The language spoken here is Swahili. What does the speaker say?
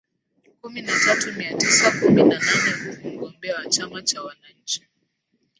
kumi na tatu mia tisa kumi na nane huku mgombea wa Chama cha wananchi